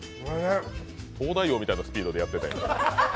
「東大王」みたいなスピードでやってたよ。